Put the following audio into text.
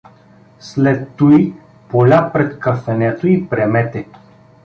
След туй — поля пред кафенето и премете.